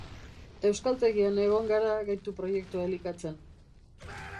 Euskaltegian egon gara Gaitu proiektua elikatzen.